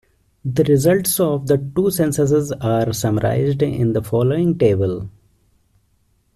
The results of the two censuses are summarized in the following table.